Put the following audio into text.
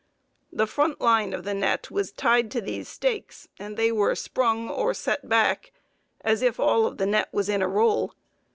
The front line of the net was tied to these stakes and they were sprung or set back as if all of the net was in a roll.